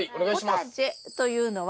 ポタジェというのは。